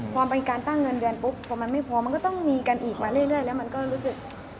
พอเป็นการตั้งเงินเดือนปุ๊บพอมันไม่พอมันก็ต้องมีกันอีกมาเรื่อยแล้วมันก็รู้สึก